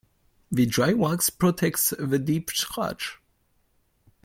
The dry wax protects the deep scratch.